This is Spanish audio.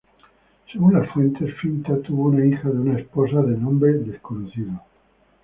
Según las fuentes, Finta tuvo una hija de una esposa de nombre desconocido.